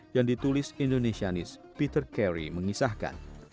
yang ditulis indonesianis peter carry mengisahkan